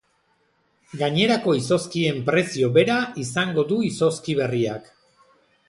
Gainerako izozkien prezio bera izango du izozki berriak.